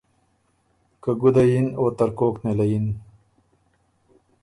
که ګُده یِن او ترکوک نېله یِن